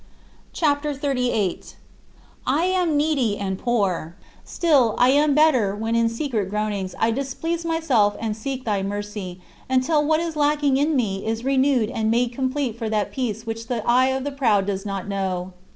" CHAPTER XXXVIII 63. "I am needy and poor." Still, I am better when in secret groanings I displease myself and seek thy mercy until what is lacking in me is renewed and made complete for that peace which the eye of the proud does not know.